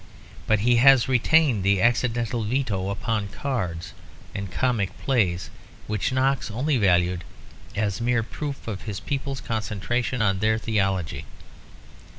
But he has retained the accidental veto upon cards or comic plays, which Knox only valued as mere proof of his people's concentration on their theology.